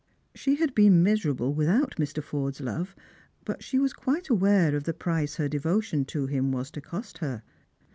She had been miserable ^vitbout Mr. Forde's love ; but she was quite aware of the price her devotion to him was to cost her.